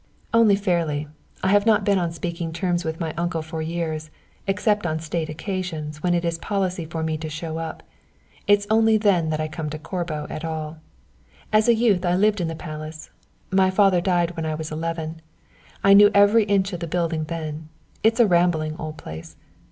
"Only fairly. I have not been on speaking terms with my uncle for years, except on state occasions when it is policy for me to show up; it's only then that I come to Corbo at all. As a youth I lived in the Palace; my father died when I was eleven. I knew every inch of the building then. It's a rambling old place.